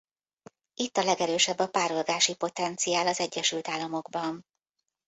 Itt a legerősebb a párolgási potenciál az Egyesült Államokban.